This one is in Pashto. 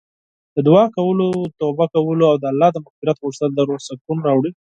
د دعا کولو، توبه کولو او د الله مغفرت غوښتل د روح سکون راوړي.